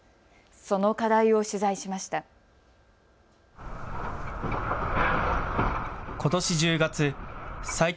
その課題を取材しました。